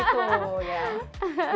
oh gitu ya